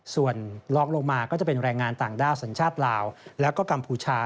ส่วนลองลงมาก็จะเป็นแรงงานต่างด้าวสัญชาติลาวแล้วก็กัมพูชา